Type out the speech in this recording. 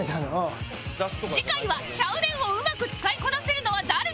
次回は「ちゃうねん」をうまく使いこなせるのは誰だ？